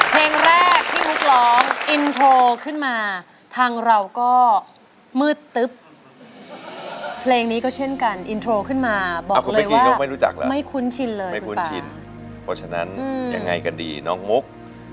เพลงแรกที่มุกร้องอินโทรขึ้นมาทางเราก็มืดตึ๊บเพลงนี้ก็เช่นกันอินโทรขึ้นมาบอกเลยว่ายกไม่รู้จักแล้วไม่คุ้นชินเลยไม่คุ้นชินเพราะฉะนั้นยังไงกันดีน้องมุก